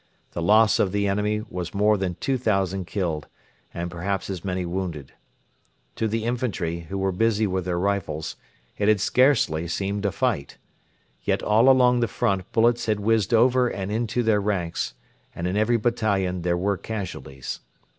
The loss of the enemy was more than 2,000 killed, and perhaps as many wounded. To the infantry, who were busy with their rifles, it had scarcely seemed a fight. Yet all along the front bullets had whizzed over and into the ranks, and in every battalion there were casualties.